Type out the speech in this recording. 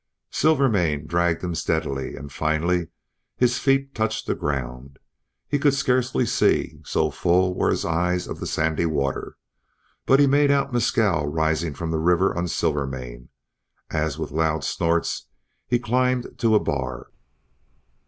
Silvermane dragged him steadily; and, finally, his feet touched the ground. He could scarcely see, so full were his eyes of the sandy water, but he made out Mescal rising from the river on Silvermane, as with loud snorts he climbed to a bar.